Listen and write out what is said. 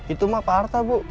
itu mah pak harta bu